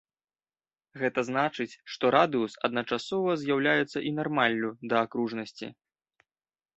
Гэта значыць, што радыус адначасова з'яўляецца і нармаллю да акружнасці.